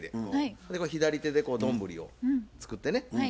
左手でこう丼を作ってね。